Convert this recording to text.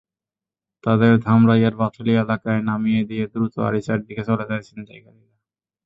তাঁদের ধামরাইয়ের বাথুলী এলাকায় নামিয়ে দিয়ে দ্রুত আরিচার দিকে চলে যায় ছিনতাইকারীরা।